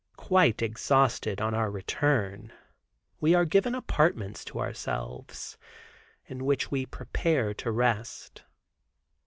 Quite exhausted on our return, we are given apartments to ourselves, in which we prepare to rest.